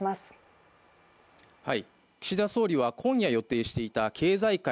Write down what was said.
岸田総理は今夜、予定していた経済界